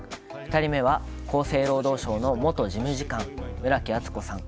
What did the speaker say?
２人目は厚生労働省の元事務次官村木厚子さん。